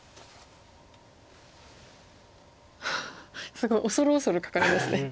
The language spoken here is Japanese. すごい恐る恐る書かれますね。